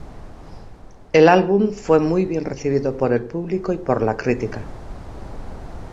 El álbum fue muy bien recibido por el público y por la crítica.